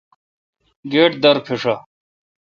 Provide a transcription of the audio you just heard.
گیٹ در پیݭہ۔